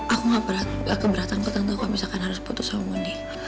aku nggak keberatan kok tante kalau misalkan harus putus sama mondi